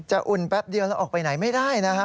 อุ่นแป๊บเดียวแล้วออกไปไหนไม่ได้นะฮะ